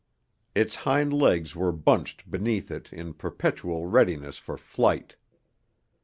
Its hind legs were bunched beneath it in perpetual readiness for flight.